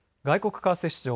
外国為替市場。